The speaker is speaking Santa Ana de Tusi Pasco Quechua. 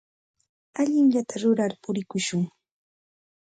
Allinllata rurar purikushun.